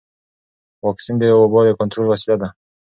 واکسن د وبا د کنټرول وسیله ده.